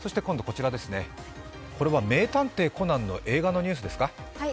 これは「名探偵コナン」の映画のニュースですか。